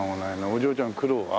お嬢ちゃん苦労は？